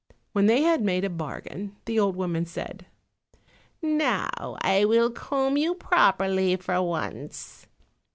When they had made a bargain the old woman said, "Now I will comb you properly for once."